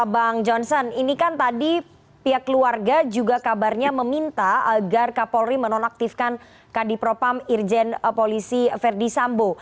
bang johnson ini kan tadi pihak keluarga juga kabarnya meminta agar kapolri menonaktifkan kadipropam irjen polisi verdi sambo